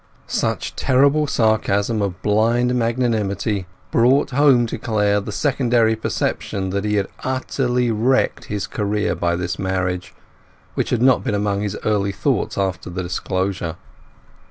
Such terrible sarcasm of blind magnanimity brought home to Clare the secondary perception that he had utterly wrecked his career by this marriage, which had not been among his early thoughts after the disclosure.